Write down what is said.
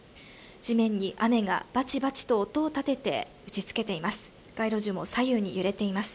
地面に雨がばちばちと音を立てて打ちつけています。